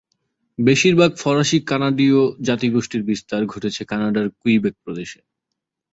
বেশিরভাগ ফরাসি কানাডীয় জাতিগোষ্ঠীর বিস্তার ঘটেছে কানাডার কুইবেক প্রদেশে।